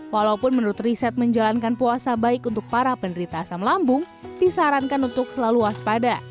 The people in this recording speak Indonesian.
walaupun menurut riset menjalankan puasa baik untuk para penderita asam lambung disarankan untuk selalu waspada